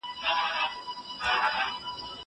زه له سهاره سفر کوم!